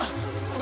何？